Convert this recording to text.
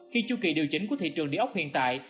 khi chu kỳ điều chỉnh của thị trường đề ốc hiện tại